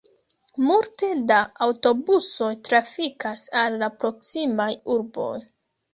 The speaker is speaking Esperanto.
Multe da aŭtobusoj trafikas al la proksimaj urboj.